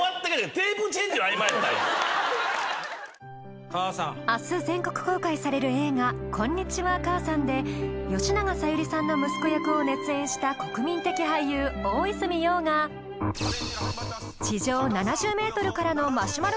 テープチェンジの合間やったん明日全国公開される映画「こんにちは、母さん」で吉永小百合さんの息子役を熱演した国民的俳優大泉洋が地上にチャレンジ